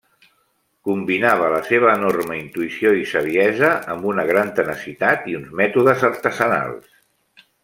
Combinava la seva enorme intuïció i saviesa amb una gran tenacitat i uns mètodes artesanals.